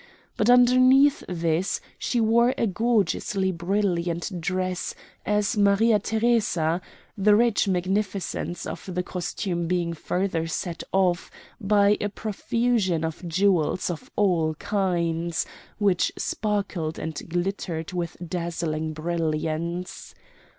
But underneath this she wore a gorgeously brilliant dress as Maria Theresa; the rich magnificence of the costume being further set off by a profusion of jewels of all kinds, which sparkled and glittered with dazzling brilliance.